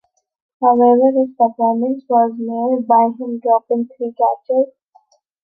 However, his performance was marred by him dropping three catches.